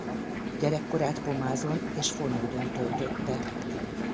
Gyerekkorát Pomázon és Fonyódon töltötte.